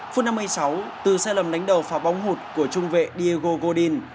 phút năm mươi sáu từ xe lầm đánh đầu pha bóng hụt của trung vệ diego godin